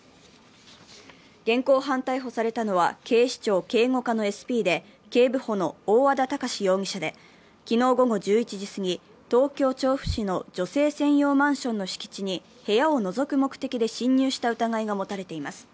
現行犯逮捕されたのは、警視庁警護課のＳＰで、警部補の大和田峰志容疑者で、昨日午後１１時すぎ、東京・調布市の女性専用マンションの敷地に部屋をのぞく目的で侵入した疑いが持たれています。